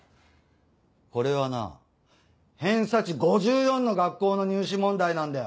これはな偏差値５４の学校の入試問題なんだよ。